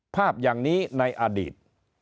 ภาพอย่างนี้ในอดีต